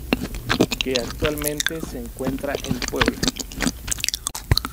Que actualmente se encuentra en Puebla.